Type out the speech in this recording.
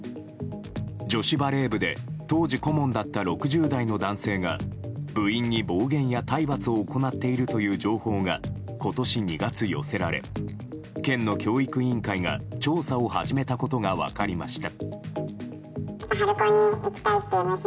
女子バレー部で当時顧問だった６０代の男性が部員に暴言や体罰を行っているという情報が今年２月、寄せられ県の教育委員会が調査を始めたことが分かりました。